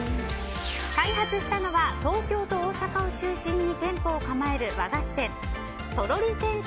開発したのは東京と大阪を中心に店舗を構える和菓子店